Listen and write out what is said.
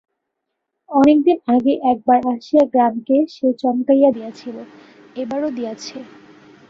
অনেক দিন আগে একবার আসিয়া গ্রামকে সে চমকাইয়া দিয়াছিল, এবারও দিয়াছে।